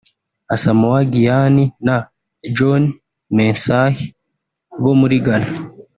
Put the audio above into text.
Asamoah Gyan na John Mensah bo muri Ghana